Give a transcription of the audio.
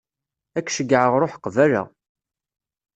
Ad k-ceyyɛeɣ ruḥ qbala.